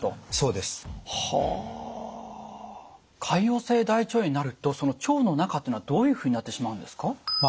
潰瘍性大腸炎になるとその腸の中っていうのはどういうふうになってしまうんですか？